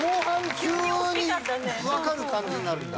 急にわかる感じになるんだ。